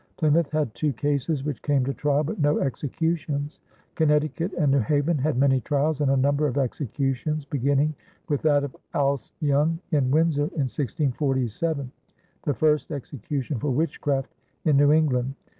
Plymouth had two cases which came to trial, but no executions; Connecticut and New Haven had many trials and a number of executions, beginning with that of Alse Young in Windsor in 1647, the first execution for witchcraft in New England.